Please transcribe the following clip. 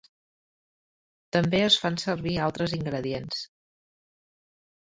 També es fan servir altres ingredients.